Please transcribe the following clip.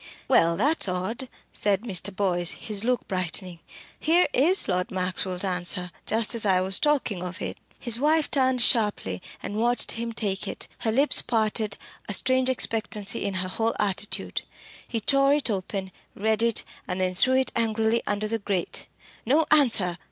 "Well, that's odd!" said Mr. Boyce, his look brightening. "Here is Lord Maxwell's answer, just as I was talking of it." His wife turned sharply and watched him take it; her lips parted, a strange expectancy in her whole attitude. He tore it open, read it, and then threw it angrily under the grate. "No answer.